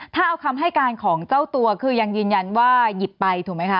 ถ้าเอาคำให้การของเจ้าตัวคือยังยืนยันว่าหยิบไปถูกไหมคะ